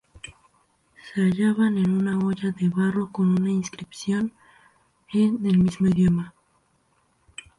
Se hallaban en una olla de barro con una inscripción en el mismo idioma.